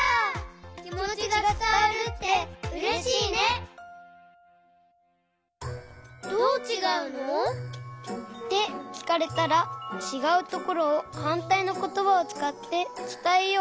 きもちがつたわるってうれしいね！ってきかれたらちがうところをはんたいのことばをつかってつたえよう！